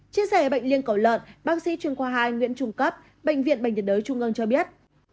chia sẻ bệnh liên cầu lợn bác sĩ chuyên khoa hai nguyễn trung cấp bệnh viện bệnh nhiệt đới trung ương cho biết